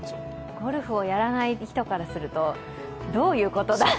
ゴルフをやらない人からすると、どういうことだと。